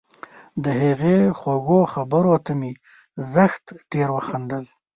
د هغې خوږو خبرو ته مې زښت ډېر وخندل